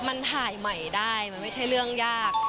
มันถ่ายใหม่ได้มันไม่ใช่เรื่องยาก